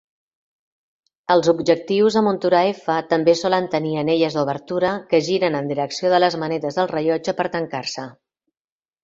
Els objectius de muntura F també solen tenir anelles d'obertura que giren en direcció de les manetes del rellotge per tancar-se.